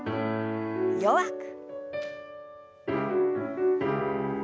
弱く。